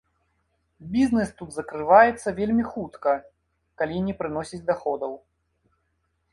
Бізнес тут закрываецца вельмі хутка, калі не прыносіць даходаў.